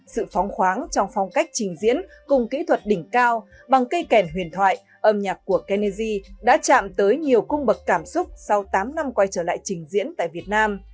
sự phóng khoáng trong phong cách trình diễn cùng kỹ thuật đỉnh cao bằng cây kèn huyền thoại âm nhạc của kennedy đã chạm tới nhiều cung bậc cảm xúc sau tám năm quay trở lại trình diễn tại việt nam